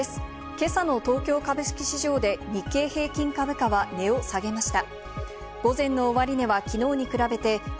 今朝の東京株式市場で日経平均株価は値を下げました。